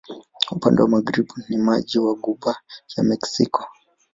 Upande wa magharibi ni maji wa Ghuba ya Meksiko.